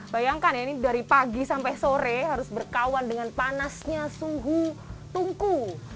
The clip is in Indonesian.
bayangkan ya ini dari pagi sampai sore harus berkawan dengan panasnya suhu tungku